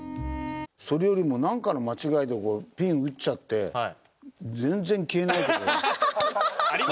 それよりもなんかの間違いでピン打っちゃって全然消えない時ある。